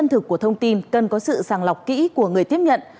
thực của thông tin cần có sự sàng lọc kỹ của người tiếp nhận